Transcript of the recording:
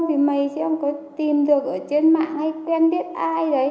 thì mày sẽ không có tìm được ở trên mạng hay quen biết ai đấy